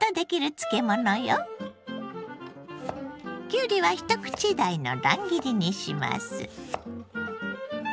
きゅうりは一口大の乱切りにします。